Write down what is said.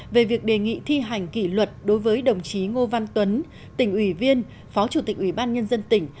về việc đề nghị thi hành kỷ luật đối với đồng chí ngô văn tuấn tỉnh ủy viên phó chủ tịch ủy ban nhân dân tỉnh